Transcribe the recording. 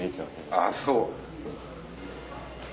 あっそう。